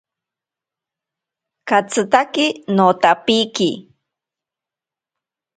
Katsitatsi notapiki.